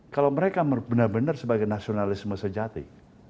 kalau mereka benar benar sebagai nasionalisme sejati